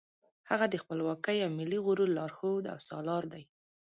هغه د خپلواکۍ او ملي غرور لارښود او سالار دی.